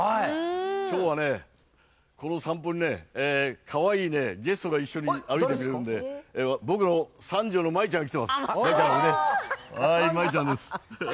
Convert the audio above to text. きょうはね、この散歩にね、かわいいゲストが一緒に歩いてくれるんで、僕の三女の舞衣ちゃんが来てます。